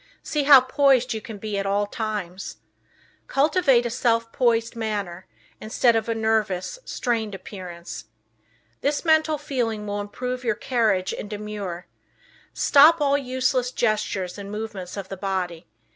See how poised you can be at all times. Cultivate a self poised manner, instead of a nervous, strained appearance. This mental feeling will improve your carriage and demeanor. Stop all useless gestures and movements of the body.